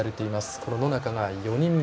この野中が４人目。